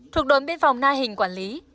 thuộc đồn biên phòng na hình quản lý